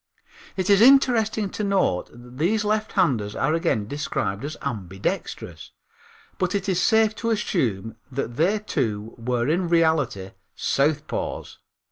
It is interesting to note that these lefthanders are again described as ambidextrous, but it is safe to assume that they too were in reality southpaws.